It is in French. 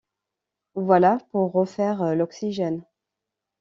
Voilà pour refaire l’oxygène.